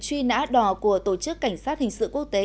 truy nã đỏ của tổ chức cảnh sát hình sự quốc tế